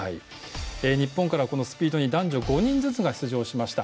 日本から、スピードに男女５人ずつが出場しました。